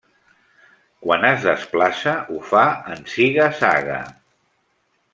Quan es desplaça, ho fa en ziga-zaga.